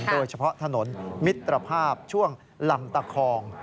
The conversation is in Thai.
โดยเฉพาะถนนมิตรภาพช่วงลำตะคอง